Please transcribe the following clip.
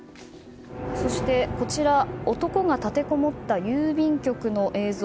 そして、こちら男が立てこもった郵便局の映像。